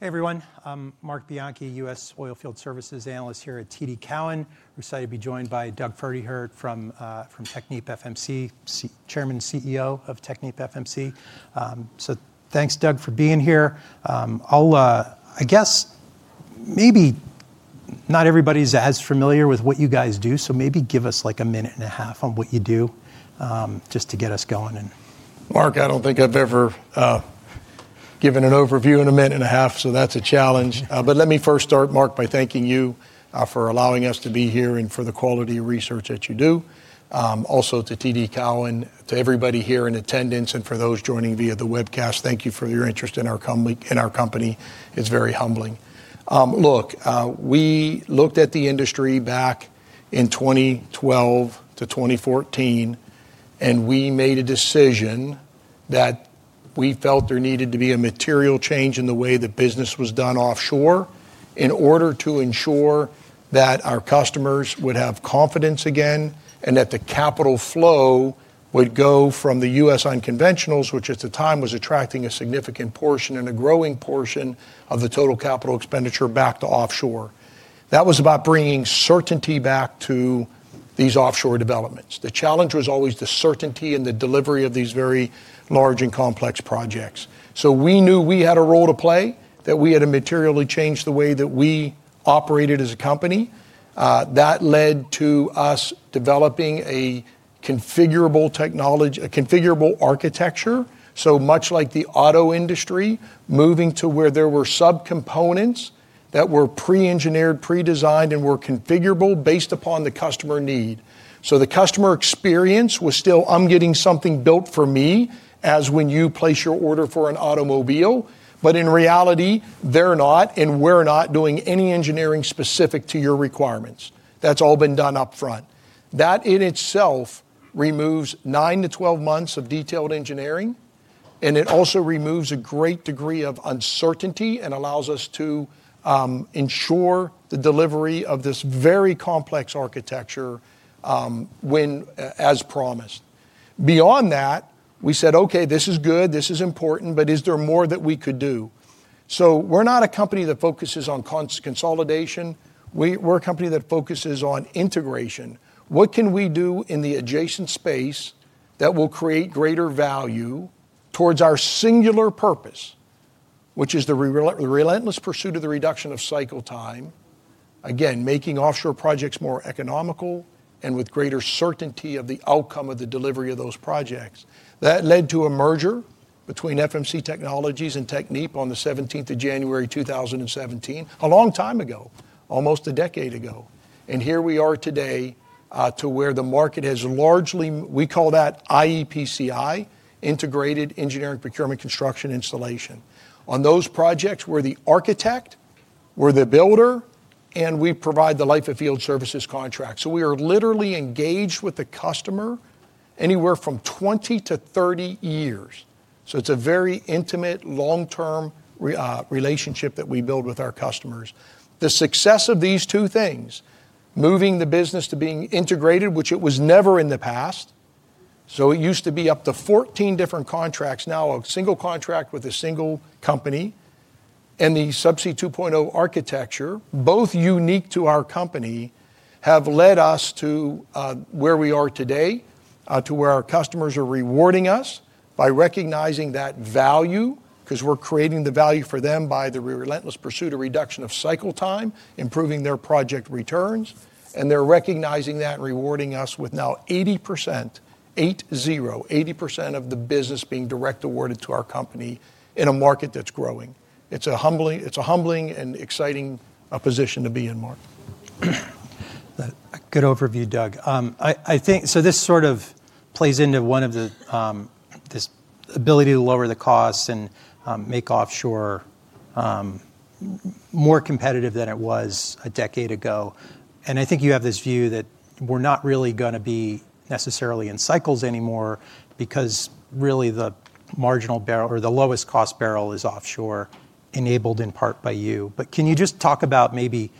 Hey, everyone. I'm Marc Bianchi, U.S. Oilfield Services Analyst here at TD Cowen. We're excited to be joined by Doug Pferdehirt from TechnipFMC, Chairman and CEO of TechnipFMC. Thanks, Doug for being here. I guess maybe not everybody's as familiar with what you guys do, so maybe give us like a minute and a half on what you do, just to get us going. Marc, I don't think I've ever given an overview in a minute and a half, so that's a challenge. Let me first start, Marc by thanking you for allowing us to be here and for the quality research that you do. Also, to TD Cowen, to everybody here in attendance, and for those joining via the webcast, thank you for your interest in our company. It's very humbling. Look, we looked at the industry back in 2012-2014, and we made a decision that we felt there needed to be a material change in the way that business was done offshore, in order to ensure that our customers would have confidence again and that the capital flow would go from the U.S. unconventionals, which at the time was attracting a significant portion and a growing portion of the total capital expenditure back to offshore. That was about bringing certainty back to these offshore developments. The challenge was always the certainty and the delivery of these very large and complex projects. We knew we had a role to play, that we had to materially change the way that we operated as a company. That led to us developing a configurable architecture. Much like the auto industry, moving to where there were subcomponents that were pre-engineered, pre-designed, and were configurable based upon the customer need. The customer experience was still, "I'm getting something built for me," as when you place your order for an automobile, but in reality, they're not and we're not doing any engineering specific to your requirements. That's all been done upfront. That in itself removes nine to 12 months of detailed engineering, and it also removes a great degree of uncertainty and allows us to ensure the delivery of this very complex architecture as promised. Beyond that, we said, "Okay, this is good. This is important, but is there more that we could do?" We are not a company that focuses on consolidation. We are a company that focuses on integration. What can we do in the adjacent space that will create greater value towards our singular purpose, which is the relentless pursuit of the reduction of cycle time, again making offshore projects more economical and with greater certainty of the outcome of the delivery of those projects? That led to a merger between FMC Technologies and Technip on the 17th of January, 2017, a long time ago, almost a decade ago. Here we are today, to where the market has largely, we call that iEPCI, Integrated Engineering Procurement Construction Installation. On those projects, we're the architect, we are the builder and we provide the life of field services contract. We are literally engaged with the customer anywhere from 20-30 years. It's a very intimate, long-term relationship that we build with our customers. The success of these two things, moving the business to being integrated, which it was never in the past, so it used to be up to 14 different contracts, now a single contract with a single company, and the Subsea 2.0 architecture, both unique to our company, have led us to where we are today, to where our customers are rewarding us by recognizing that value because we're creating the value for them by the relentless pursuit of reduction of cycle time, improving their project returns. They're recognizing that, and rewarding us with now 80% of the business being direct awarded to our company in a market that's growing. It's a humbling and exciting position to be in, Marc. Good overview, Doug. I think this sort of plays into one of the ability to lower the costs, and make offshore more competitive than it was a decade ago. I think you have this view that we're not really going to be necessarily in cycles anymore, because really the marginal barrel or the lowest cost barrel is offshore, enabled in part by you. Can you just talk about maybe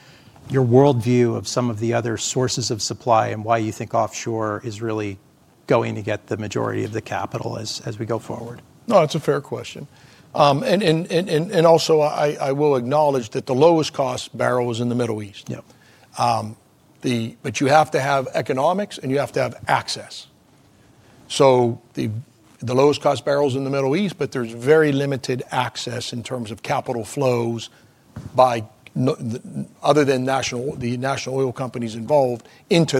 your worldview of some of the other sources of supply, and why you think offshore is really going to get the majority of the capital as we go forward? No, that's a fair question. I will also acknowledge that the lowest cost barrel is in the Middle East. You have to have economics, and you have to have access. The lowest cost barrel is in the Middle East, but there is very limited access in terms of capital flows by other than the national oil companies involved, into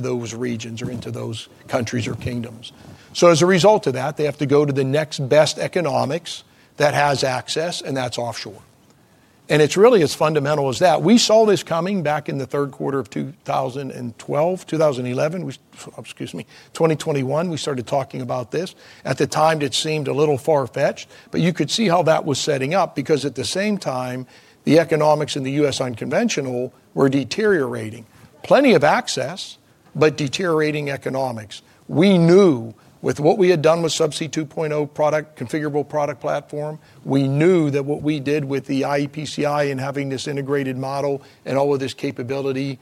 those regions or into those countries or kingdoms. As a result of that, they have to go to the next best economics that has access, and that's offshore. It is really as fundamental as that. We saw this coming back in the third quarter of 2021, we started talking about this. At the time, it seemed a little far-fetched, but you could see how that was setting up because at the same time, the economics in the U.S., unconventional, were deteriorating. Plenty of access, but deteriorating economics. We knew with what we had done with Subsea 2.0 configurable product platform, we knew that what we did with the iEPCI and having this integrated model, and all of this capability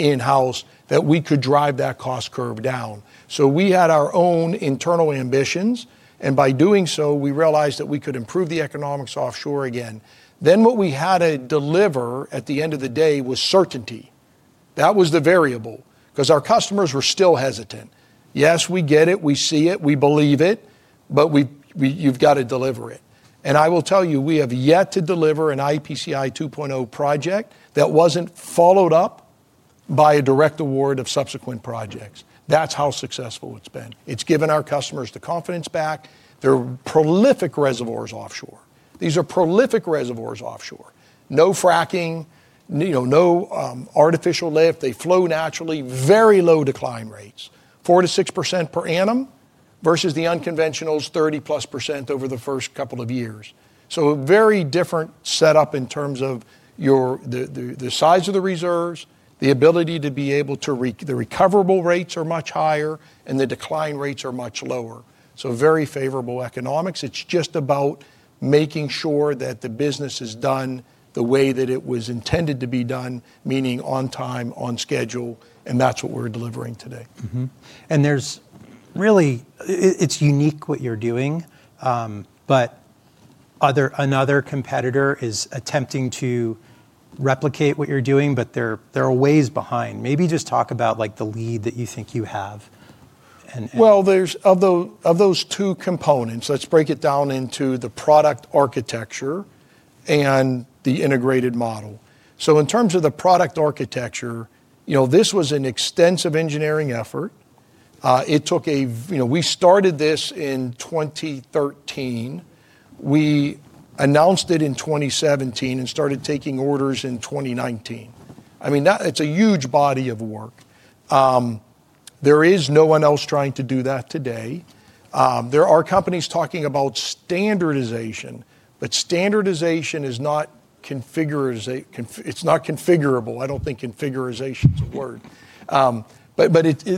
in-house, that we could drive that cost curve down. We had our own internal ambitions, and by doing so, we realized that we could improve the economics offshore again. What we had to deliver at the end of the day was certainty. That was the variable because our customers were still hesitant. Yes, we get it, we see it, we believe it, but you've got to deliver it. I will tell you, we have yet to deliver an iEPCI 2.0 project that was not followed up by a direct award of subsequent projects. That is how successful it has been. It has given our customers the confidence back. There are prolific reservoirs offshore. These are prolific reservoirs offshore. No fracking, no artificial lift. They flow naturally, very low decline rates, 4%-6% per annum versus the unconventionals, 30+% over the first couple of years. A very different setup in terms of the size of the reserves, the recoverable rates are much higher and the decline rates are much lower. Very favorable economics. It's just about making sure that the business is done the way that it was intended to be done, meaning on time, on schedule, and that's what we're delivering today. Really, it's unique what you're doing, but another competitor is attempting to replicate what you're doing, but they're a ways behind. Maybe just talk about the lead that you think you have. Of those two components, let's break it down into the product architecture and the integrated model. In terms of the product architecture, this was an extensive engineering effort. We started this in 2013. We announced it in 2017, and started taking orders in 2019. I mean, it's a huge body of work. There is no one else trying to do that today. There are companies talking about standardization, but standardization is not configurable. I do not think configurization is a word.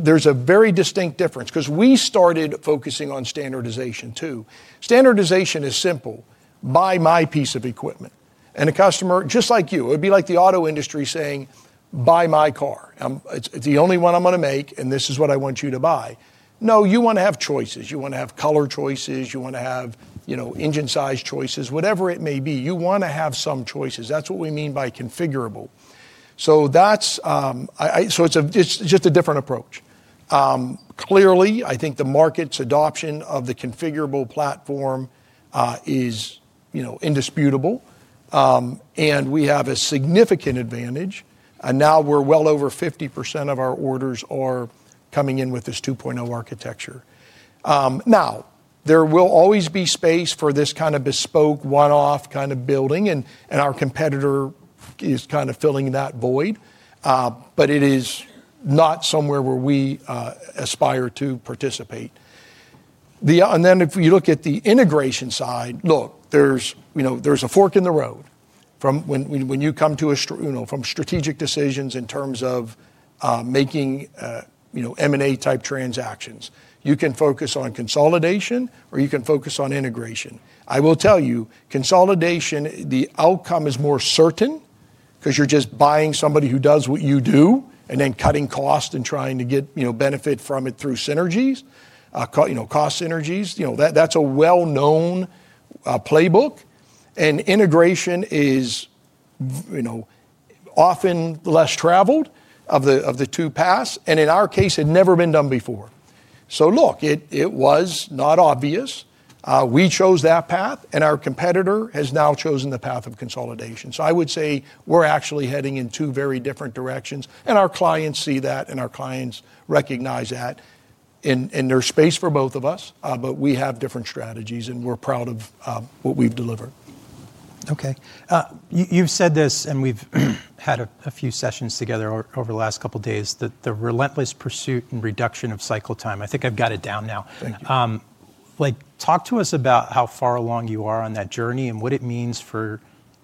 There is a very distinct difference because we started focusing on standardization too. Standardization is simple, buy my piece of equipment. A customer, just like you, would be like the auto industry saying, "Buy my car. It is the only one I am going to make, and this is what I want you to buy." No, you want to have choices. You want to have color choices. You want to have engine size choices, whatever it may be. You want to have some choices. That's what we mean by configurable. It is just a different approach. Clearly, I think the market's adoption of the configurable platform is indisputable, and we have a significant advantage. Now, well over 50% of our orders are coming in with this 2.0 architecture. Now, there will always be space for this kind of bespoke, one-off kind of building and our competitor is kind of filling that void, but it is not somewhere where we aspire to participate. If you look at the integration side, look, there is a fork in the road from when you come to a strategic decisions in terms of making M&A type transactions. You can focus on consolidation, or you can focus on integration. I will tell you, consolidation, the outcome is more certain because you're just buying somebody who does what you do, and then cutting cost and trying to get benefit from it through cost synergies. That's a well-known playbook. Integration is often less traveled of the two paths, and in our case, it had never been done before. Look, it was not obvious. We chose that path, and our competitor has now chosen the path of consolidation. I would say we're actually heading in two very different directions, and our clients see that, and our clients recognize that. There is space for both of us, but we have different strategies, and we're proud of what we've delivered. Okay. You've said this, and we've had a few sessions together over the last couple of days, the relentless pursuit and reduction of cycle time. I think I've got it down now. Talk to us about how far along you are on that journey and what it means for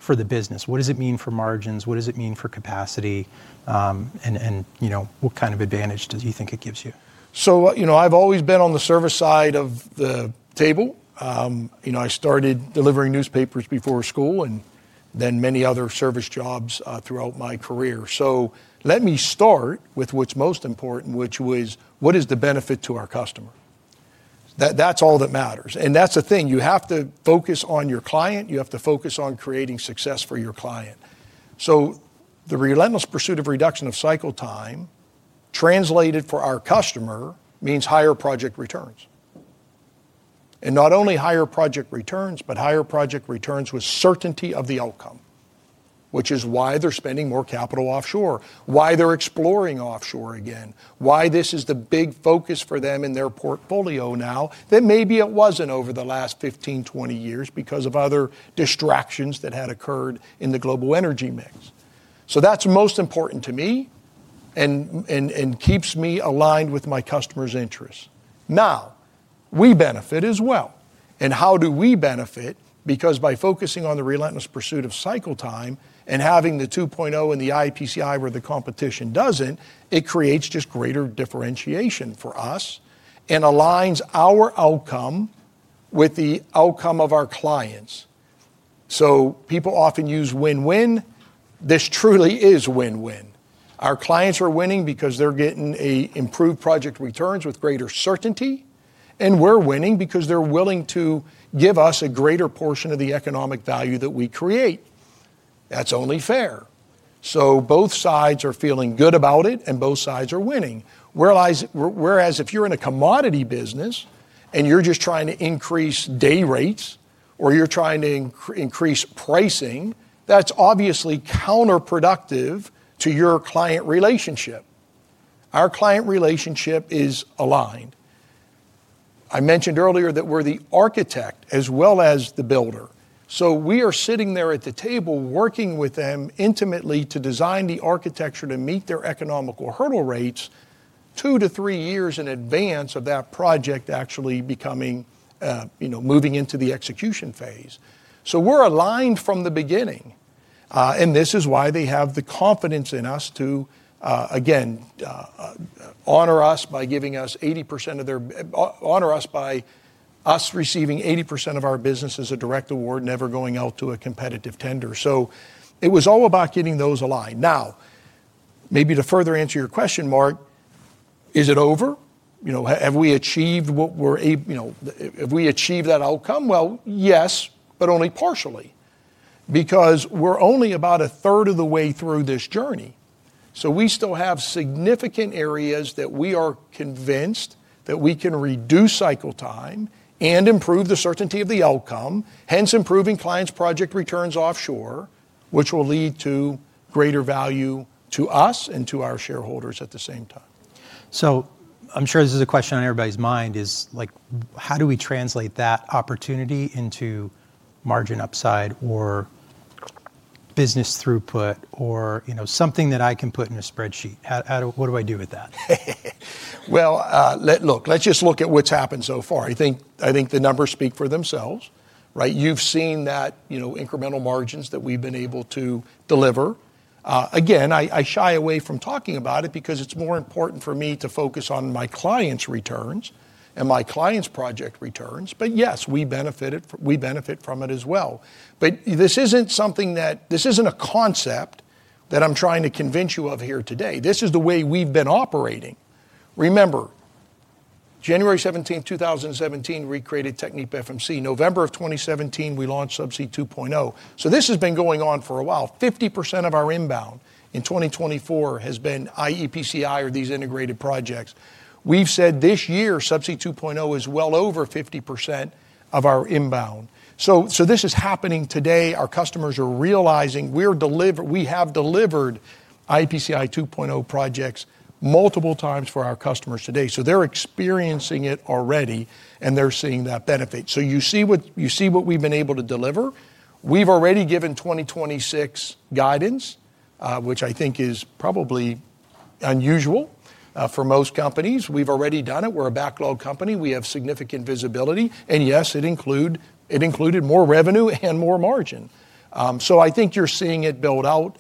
the business. What does it mean for margins? What does it mean for capacity? What kind of advantage do you think it gives you? I've always been on the service side of the table. I started delivering newspapers before school and then many other service jobs throughout my career. Let me start with what's most important, which was, what is the benefit to our customer? That's all that matters. That's the thing. You have to focus on your client. You have to focus on creating success for your client. The relentless pursuit of reduction of cycle time translated for our customer, means higher project returns. Not only higher project returns, but higher project returns with certainty of the outcome, which is why they're spending more capital offshore, why they're exploring offshore again, why this is the big focus for them in their portfolio now, that maybe it wasn't over the last 15, 20 years because of other distractions that had occurred in the global energy mix. That's most important to me and keeps me aligned with my customers' interests. Now, we benefit as well. How do we benefit? By focusing on the relentless pursuit of cycle time and having the 2.0 and the iEPCI where the competition doesn't, it creates just greater differentiation for us and aligns our outcome with the outcome of our clients. People often use win-win. This truly is win-win. Our clients are winning because they're getting improved project returns with greater certainty, and we're winning because they're willing to give us a greater portion of the economic value that we create. That's only fair. Both sides are feeling good about it, and both sides are winning. Whereas if you're in a commodity business and you're just trying to increase day rates or you're trying to increase pricing, that's obviously counterproductive to your client relationship. Our client relationship is aligned. I mentioned earlier that we're the architect, as well as the builder. We are sitting there at the table, working with them intimately to design the architecture to meet their economical hurdle rates, two to three years in advance of that project actually moving into the execution phase. We are aligned from the beginning. This is why they have the confidence in us to again, honor us by us receiving 80% of our business as a direct award, never going out to a competitive tender. It was all about getting those aligned. Now, maybe to further answer your question, Marc, is it over? Have we achieved that outcome? Yes, but only partially, because we're only about 1/3 of the way through this journey. We still have significant areas that we are convinced that we can reduce cycle time, and improve the certainty of the outcome, hence improving clients' project returns offshore, which will lead to greater value to us and to our shareholders at the same time. I'm sure this is a question on everybody's mind, is, how do we translate that opportunity into margin upside or business throughput or something that I can put in a spreadsheet? What do I do with that? Look, let's just look at what's happened so far. I think the numbers speak for themselves. You've seen incremental margins that we've been able to deliver. Again, I shy away from talking about it, because it's more important for me to focus on my clients' returns and my clients' project returns. Yes, we benefit from it as well. This isn't a concept that I'm trying to convince you of here today. This is the way we've been operating. Remember, January 17, 2017, we created TechnipFMC. November of 2017, we launched Subsea 2.0. This has been going on for a while. 50% of our inbound in 2024 has been IEPCI or these integrated projects. We've said this year, Subsea 2.0 is well over 50% of our inbound. This is happening today. Our customers are realizing, we have delivered iEPCI 2.0 projects multiple times for our customers today, so they're experiencing it already and they're seeing that benefit. You see what we've been able to deliver. We've already given 2026 guidance, which I think is probably unusual for most companies. We've already done it. We're a backlog company. We have significant visibility. Yes, it included more revenue and more margin. I think you're seeing it build out.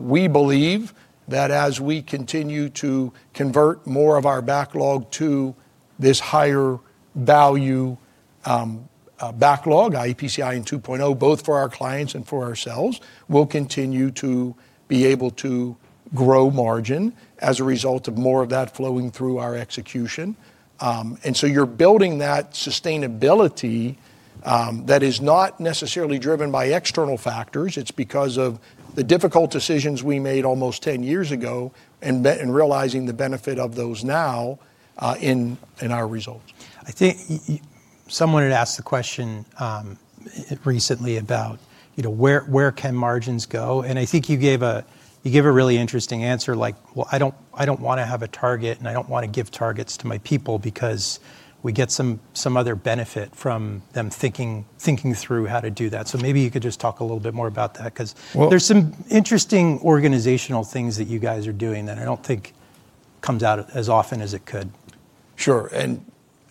We believe that as we continue to convert more of our backlog to this higher value backlog, iEPCI and 2.0, both for our clients and for ourselves, we'll continue to be able to grow margin as a result of more of that flowing through our execution. You're building that sustainability that is not necessarily driven by external factors. It's because of the difficult decisions we made almost 10 years ago, and realizing the benefit of those now in our results. I think someone had asked the question recently about, where can margins go? I think you gave a really interesting answer like, "Well, I do not want to have a target, and I do not want to give targets to my people because we get some other benefit from them thinking through how to do that." Maybe you could just talk a little bit more about that because there are some interesting organizational things that you guys are doing, that I do not think comes out as often as it could. Sure.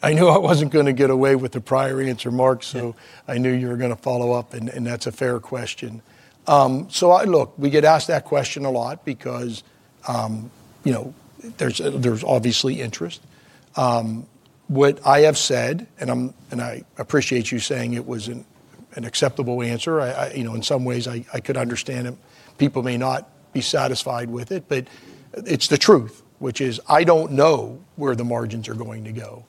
I knew I was not going to get away with the prior answer, Marc, so I knew you were going to follow up and that is a fair question. Look, we get asked that question a lot because there is obviously interest. What I have said, and I appreciate you saying it was an acceptable answer. In some ways, I could understand people may not be satisfied with it, but it is the truth, which is I do not know where the margins are going to go.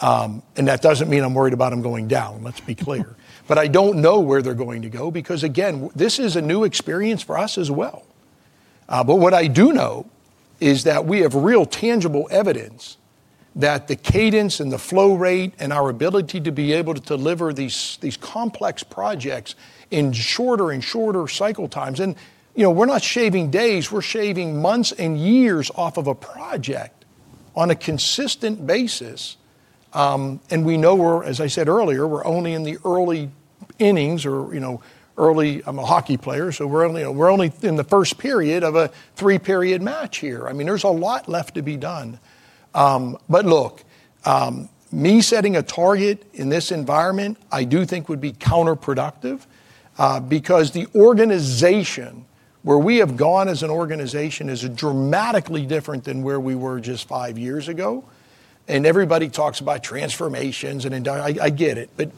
That does not mean I am worried about them going down. Let us be clear. I do not know where they are going to go because again, this is a new experience for us as well. What I do know is that we have real tangible evidence that the cadence and the flow rate, and our ability to be able to deliver these complex projects in shorter and shorter cycle times. We're not shaving days. We're shaving months and years off of a project on a consistent basis. We know, as I said earlier, we're only in the early innings, or I'm a hockey player, so we're only in the first period of a three-period match here. I mean, there's a lot left to be done. Look, me setting a target in this environment, I do think would be counterproductive, because the organization where we have gone as an organization is dramatically different than where we were just five years ago. Everybody talks about transformations and I get it, but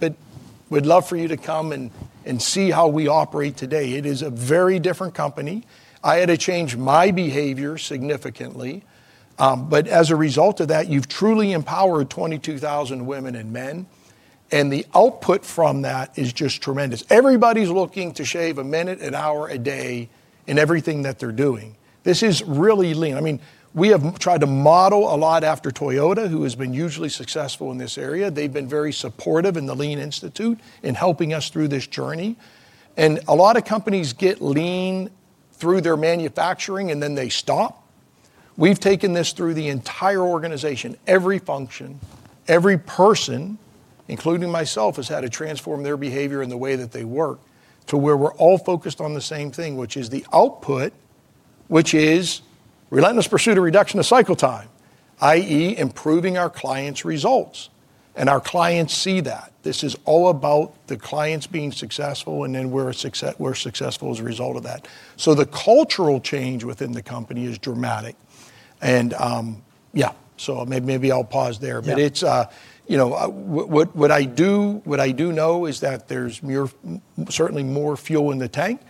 would love for you to come and see how we operate today. It is a very different company. I had to change my behavior significantly. As a result of that, you have truly empowered 22,000 women and men. The output from that is just tremendous. Everybody is looking to shave a minute, an hour, a day in everything that they are doing. This is really lean. I mean, we have tried to model a lot after Toyota, who has been hugely successful in this area. They have been very supportive in the Lean Institute, in helping us through this journey. A lot of companies get lean through their manufacturing, and then they stop. We've taken this through the entire organization, every function, every person, including myself has had to transform their behavior in the way that they work, to where we're all focused on the same thing, which is the output, which is relentless pursuit of reduction of cycle time, i.e., improving our clients' results. Our clients see that. This is all about the clients being successful, and then we're successful as a result of that. The cultural change within the company is dramatic. Yeah, maybe I'll pause there, but what I do know is that there's certainly more fuel in the tank.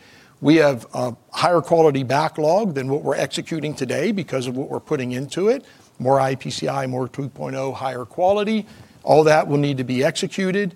We have a higher quality backlog than what we're executing today, because of what we're putting into it, more iEPCI, more 2.0, higher quality, all that will need to be executed.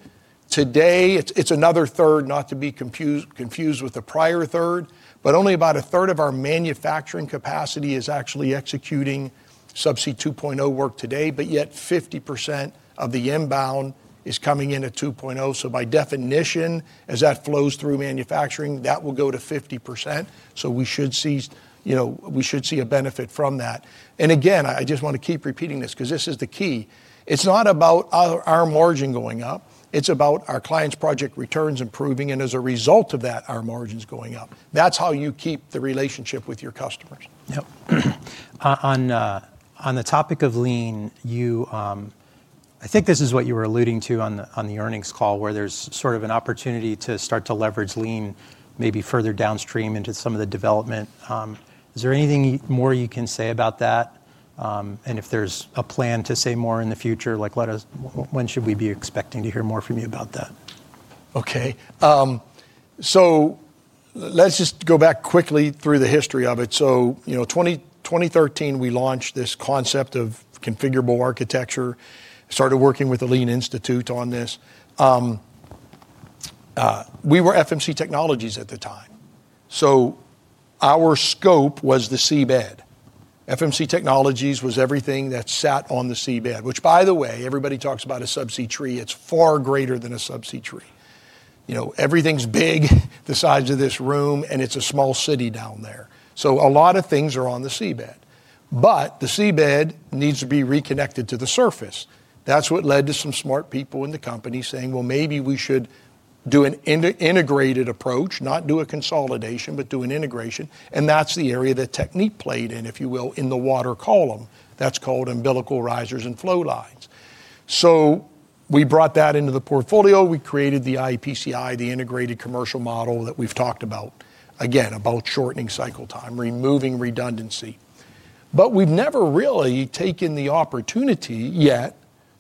Today, it's another third, not to be confused with the prior third, but only about a third of our manufacturing capacity is actually executing Subsea 2.0 work today, yet 50% of the inbound is coming in at 2.0. By definition, as that flows through manufacturing, that will go to 50%. We should see a benefit from that. Again, I just want to keep repeating this because this is the key. It's not about our margin going up. It's about our clients' project returns improving, and as a result of that, our margins going up. That's how you keep the relationship with your customers. Yep. On the topic of lean, I think this is what you were alluding to on the earnings call, where there is sort of an opportunity to start to leverage lean maybe further downstream into some of the development. Is there anything more you can say about that? If there is a plan to say more in the future, when should we be expecting to hear more from you about that? Okay. Let's just go back quickly through the history of it. In 2013, we launched this concept of configurable architecture, started working with the Lean Institute on this. We were FMC Technologies at the time. Our scope was the seabed. FMC Technologies was everything that sat on the seabed, which by the way, everybody talks about a subsea tree. It's far greater than a subsea tree. Everything's big, the size of this room, and it's a small city down there. A lot of things are on the seabed, but the seabed needs to be reconnected to the surface. That's led to some smart people in the company saying, "Maybe we should do an integrated approach, not do a consolidation, but do an integration." That's the area that Technip played in, if you will, in the water column. That's called umbilical risers and flowlines. We brought that into the portfolio. We created the iEPCI, the integrated commercial model that we've talked about, again about shortening cycle time, removing redundancy. We've never really taken the opportunity yet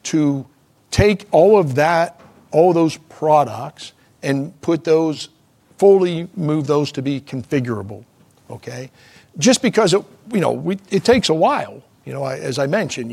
to take all of those products, and fully move those to be configurable, okay? Just because it takes a while. As I mentioned,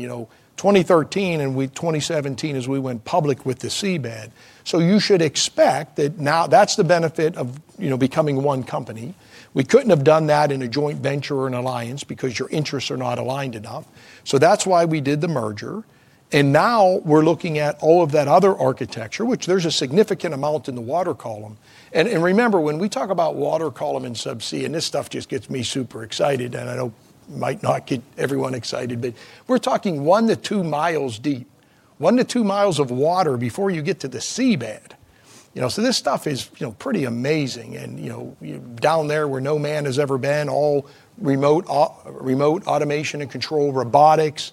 2013 and 2017 as we went public with the seabed, you should expect that now that's the benefit of becoming one company. We couldn't have done that in a joint venture or an alliance, because your interests are not aligned enough. That's why we did the merger. Now we're looking at all of that other architecture, which there's a significant amount in the water column. Remember, when we talk about water column and subsea, and this stuff just gets me super excited, and I know it might not get everyone excited, but we're talking 1mi-2mi deep, 1mi-2mi of water before you get to the seabed. This stuff is pretty amazing. Down there, where no man has ever been, all remote automation and control robotics.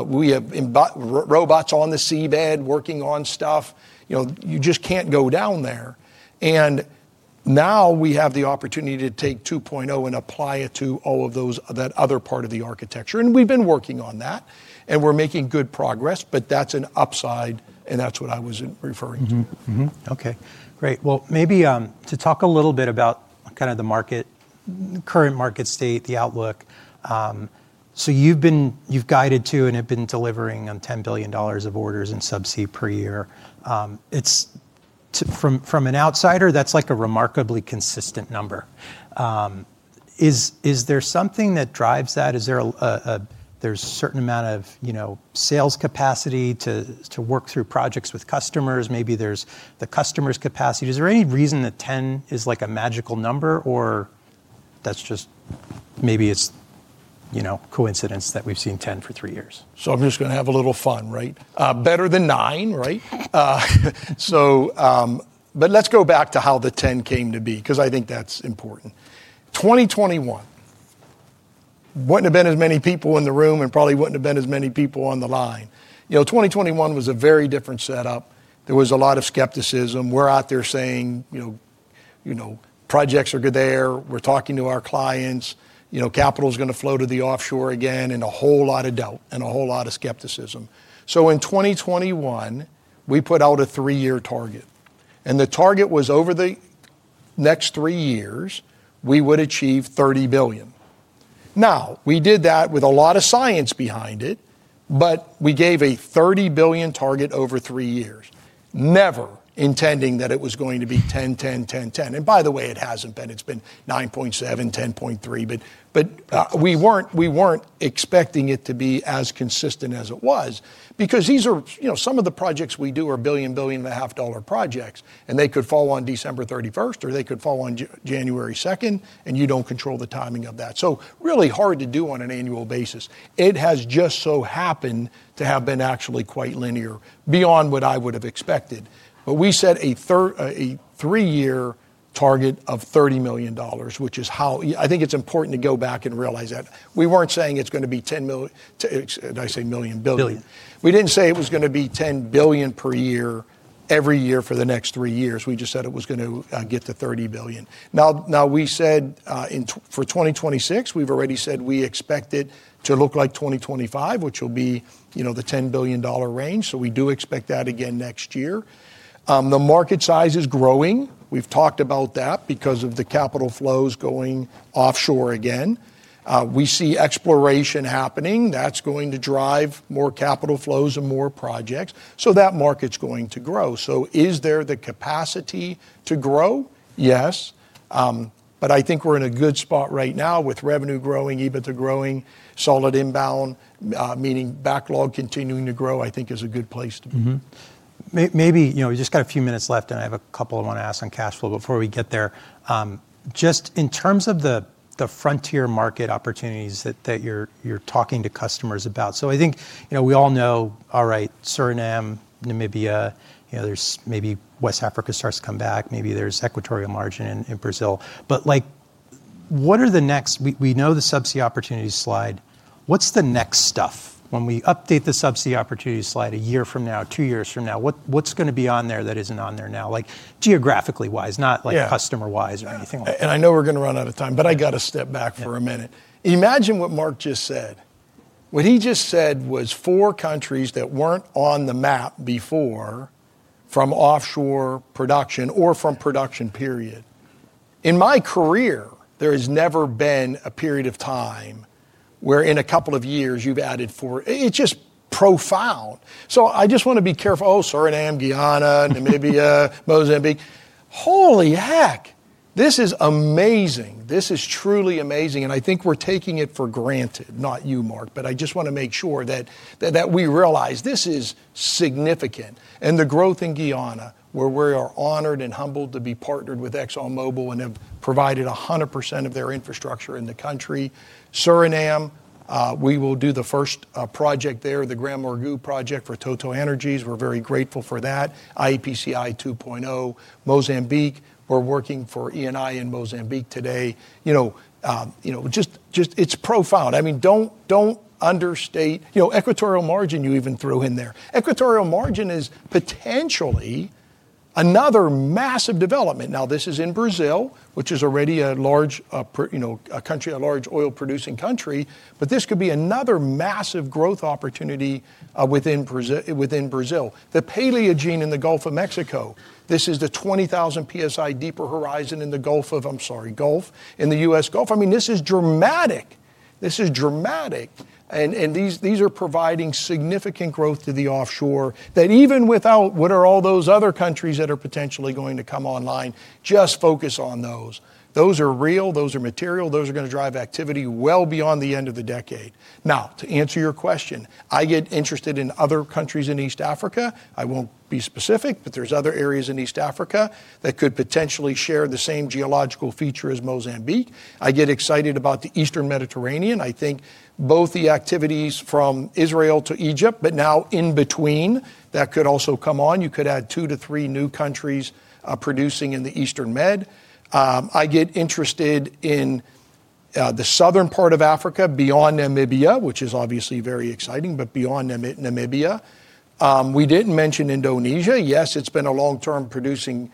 We have robots on the seabed working on stuff. You just can't go down there. Now we have the opportunity to take 2.0 and apply it to all of that other part of the architecture. We've been working on that and we're making good progress, but that's an upside and that's what I was referring to. Okay, great. Maybe to talk a little bit about kind of the current market state, the outlook. You have guided to and have been delivering on $10 billion of orders in subsea per year. From an outsider, that is a remarkably consistent number. Is there something that drives that? There is a certain amount of sales capacity to work through projects with customers, maybe there is the customer's capacity, is there any reason that 10 is a magical number or is it just maybe coincidence that we have seen 10 for three years? I'm just going to have a little fun, right? Better than nine, right? Let's go back to how the 10 came to be, because I think that's important. 2021, wouldn't have been as many people in the room, and probably wouldn't have been as many people on the line. 2021 was a very different setup. There was a lot of skepticism. We're out there saying projects are there. We're talking to our clients. Capital is going to flow to the offshore again, and a whole lot of doubt and a whole lot of skepticism. In 2021, we put out a three-year target. The target was, over the next three years, we would achieve $30 billion. Now, we did that with a lot of science behind it, but we gave a $30 billion target over three years, never intending that it was going to be 10, 10, 10. By the way, it has not been. It has been $9.7 billion, $10.3 billion, but we were not expecting it to be as consistent as it was, because some of the projects we do are $1 billion, $1.5 billion projects. They could fall on December 31st or they could fall on January 2nd, and you do not control the timing of that. Really hard to do on an annual basis. It has just so happened to have been actually quite linear beyond what I would have expected. We set a three-year target of $30 billion, which I think it is important to go back and realize that. We weren't saying it's going to be $10 billion, we did not say it was going to be $10 billion per year every year for the next three years. We just said it was going to get to $30 billion. Now, we said for 2026, we have already said we expect it to look like 2025, which will be the $10 billion range. We do expect that again next year. The market size is growing. We have talked about that because of the capital flows going offshore again. We see exploration happening. That is going to drive more capital flows and more projects. That market is going to grow. Is there the capacity to grow? Yes. I think we are in a good spot right now with revenue growing, EBITDA growing, solid inbound, meaning backlog continuing to grow, I think is a good place to be. We just got a few minutes left, and I have a couple I want to ask on cash flow before we get there. Just in terms of the frontier market opportunities that you're talking to customers about. I think we all know, all right, Suriname, Namibia, maybe West Africa starts to come back. Maybe there's equatorial margin in Brazil. We know the subsea opportunity slide. What's the next stuff? When we update the subsea opportunity slide a year from now, two years from now, what's going to be on there that isn't on there now? Geographically wise, not customer-wise or anything like that. Yeah. I know we're going to run out of time, but I got to step back for a minute. Imagine what Marc just said. What he just said was, four countries that were not on the map before from offshore production or from production period. In my career, there has never been a period of time where in a couple of years you have added four. It is just profound. I just want to be careful. Oh, Suriname, Guyana, Namibia, Mozambique, Holy heck. This is amazing. This is truly amazing. I think we are taking it for granted, not you, Marc, but I just want to make sure that we realize this is significant. The growth in Guyana, where we are honored and humbled to be partnered with ExxonMobil and have provided 100% of their infrastructure in the country. Suriname, we will do the first project there, the GranMorgu project for TotalEnergies. We're very grateful for that. iEPCI 2.0, Mozambique. We're working for Eni in Mozambique today. It's profound. I mean, don't understate equatorial margin, you even threw in there. Equatorial margin is potentially another massive development. Now, this is in Brazil, which is already a large oil-producing country, but this could be another massive growth opportunity within Brazil. The Paleogene in the Gulf of Mexico. This is the 20,000 PSI deeper horizon in the U.S. Gulf. I mean, this is dramatic. This is dramatic. These are providing significant growth to the offshore, that even without what are all those other countries that are potentially going to come online, just focus on those. Those are real. Those are material. Those are going to drive activity well beyond the end of the decade. Now, to answer your question, I get interested in other countries in East Africa. I won't be specific, but there's other areas in East Africa that could potentially share the same geological feature as Mozambique. I get excited about the Eastern Mediterranean. I think both the activities from Israel to Egypt, but now in between, that could also come on. You could add two to three new countries producing in the Eastern Med. I get interested in the southern part of Africa beyond Namibia, which is obviously very exciting, but beyond Namibia. We didn't mention Indonesia. Yes, it's been a long-term producing,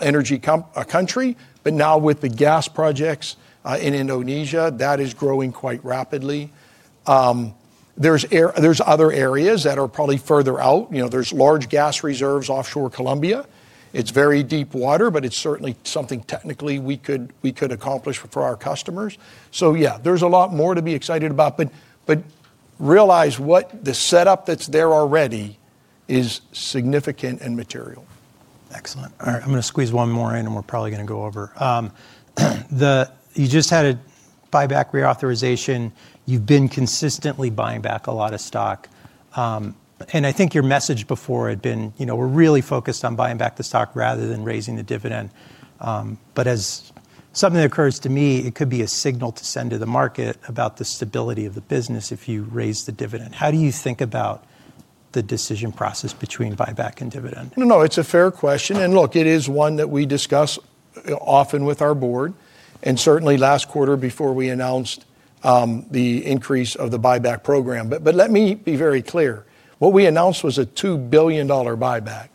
energy country, but now with the gas projects in Indonesia, that is growing quite rapidly. There's other areas that are probably further out. There's large gas reserves offshore Colombia. It's very deep water, but it's certainly something technically we could accomplish for our customers. Yeah, there's a lot more to be excited about, but realize, the setup that's there already is significant and material. Excellent, all right. I'm going to squeeze one more in, and we're probably going to go over. You just had a buyback reauthorization. You've been consistently buying back a lot of stock. I think your message before had been, we're really focused on buying back the stock rather than raising the dividend. As something that occurs to me, it could be a signal to send to the market about the stability of the business if you raise the dividend. How do you think about the decision process between buyback and dividend? No, it's a fair question. Look, it is one that we discuss often with our board, and certainly last quarter before we announced the increase of the buyback program. Let me be very clear. What we announced was a $2 billion buyback.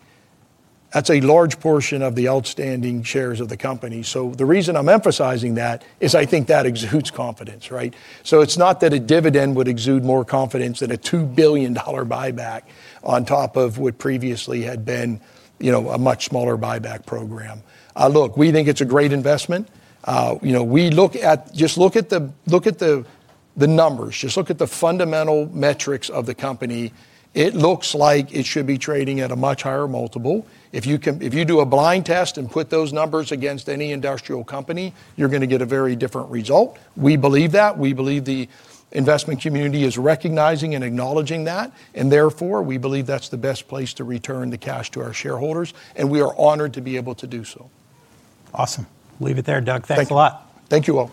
That's a large portion of the outstanding shares of the company. The reason I'm emphasizing that is I think that exudes confidence, right? It's not that a dividend would exude more confidence than a $2 billion buyback on top of what previously had been a much smaller buyback program. Look, we think it's a great investment. Just look at the numbers. Just look at the fundamental metrics of the company. It looks like it should be trading at a much higher multiple. If you do a blind test and put those numbers against any industrial company, you're going to get a very different result. We believe that. We believe the investment community is recognizing and acknowledging that. Therefore, we believe that's the best place to return the cash to our shareholders. We are honored to be able to do so. Awesome, we'll leave it there. Doug, thanks a lot. Thank you all.